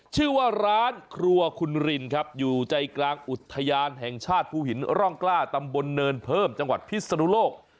ชื่อว่าร้านครัวคุณรินครับอยู่ใจกลางอุทยานแห่งชาติภูหินร่องกล้าตำบลเนินเพิ่มจังหวัดพิศนุโลก